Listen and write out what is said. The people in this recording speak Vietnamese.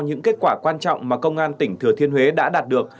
những kết quả quan trọng mà công an tỉnh thừa thiên huế đã đạt được